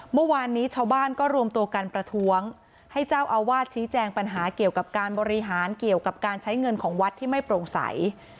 เมื่อวานนี้ชาวบ้านก็รวมตัวกันประท้วงให้เจ้าอาวาสชี้แจงปัญหาเกี่ยวกับการบริหารเกี่ยวกับการใช้เงินของวัดที่ไม่โปร่งใส